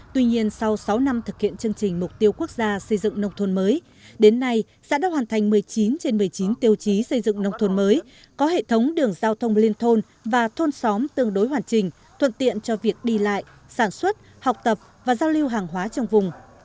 tuy nhiên sau sáu năm thực hiện chương trình mục tiêu quốc gia xây dựng nông thôn mới đến nay xã đã hoàn thành một mươi chín trên một mươi chín tiêu chí xây dựng nông thôn mới có hệ thống đường giao thông liên thôn và thôn xóm tương đối hoàn chỉnh thuận tiện cho việc đi lại sản xuất học tập và giao lưu hàng hóa trong vùng